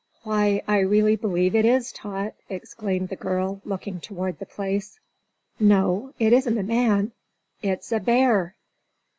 "Why, I really believe it is, Tot!" exclaimed the girl, looking toward the place. "No, it isn't a man; it's a bear."